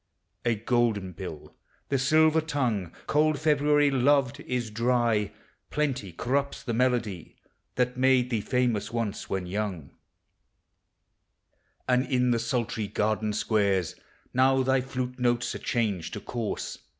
A golden bill ! the silver tongue, Cold February loved, is dry : Plenty corrupts the melody That made thee famous once, when young; And in the sultry garden squares, Now thy flute notes are changed to coarse, ANIMATE NATURE.